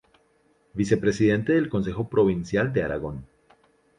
Vicepresidente del Consejo Provincial de Aragón.